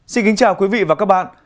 xin kính chào quý vị và các bạn